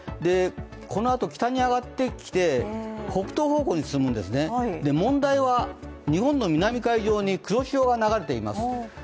このあと北に上がってきて北東方向に進むんですね、問題は日本の南海上に黒潮が流れています。